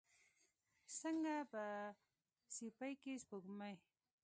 څنګه په سیپۍ کې سپوږمۍ